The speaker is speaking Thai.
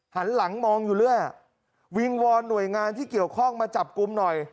หันหลังมองอยู่เรื่อยวิงวอนหน่วยงานที่เกี่ยวข้องมาจับกลุ่มหน่อย